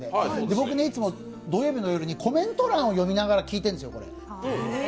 僕、いつも土曜日の夜にコメント欄を読みながら聴いてるんです。